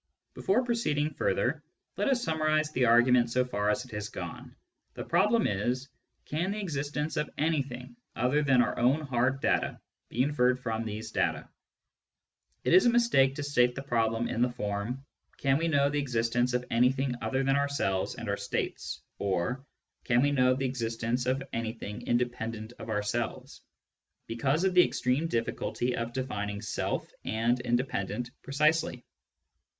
Before proceeding further, let us summarise the argu ment so far as it has gone. The problem is :" Can the existence of anything other than our own hard data be inferred from these data ?" It is a mistake to state the problem in the form :" Can we know of the existence of anything other than ourselves and our states ?or :" Can we know of the existence of anything independent of ourselves ?" because of the extreme difficulty of defining " self '* and " independent " precisely.